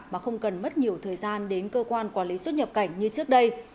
mà không cần mất nhiều thời gian đến cơ quan quản lý xuất nhập cảnh như trước đây